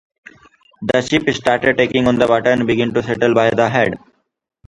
The ship started taking on water and began to settle by the head.